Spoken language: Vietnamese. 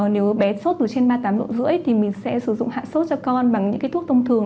nếu bé sốt từ trên ba mươi tám độ rưỡi thì mình sẽ sử dụng hạ sốt cho con bằng những cái thuốc thông thường